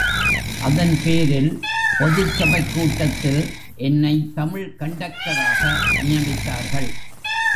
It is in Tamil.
அதன்பேரில் பொதுச் சபைக் கூட்டத்தில் என்னை தமிழ் கண்டக்டராக நியமித்தார்கள்.